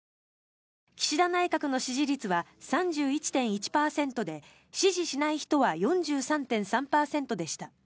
岸田内閣の支持率は３１．１％で支持しない人は４３．３％でした。